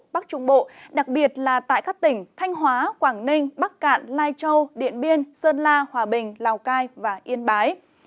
bắc trung bộ đặc biệt là tại các tỉnh thanh hóa quảng ninh bắc cạn lai châu điện biên sơn la hòa bình lào cai và yên bái